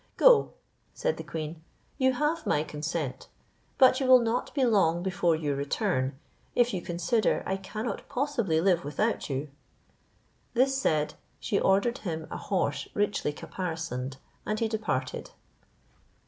"Go," said the queen, "you have my consent; but you will not be long before you return, if you consider I cannot possibly live without you." This said, she ordered him a horse richly caparisoned, and he departed.